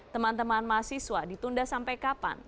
teman teman mahasiswa ditunda sampai kapan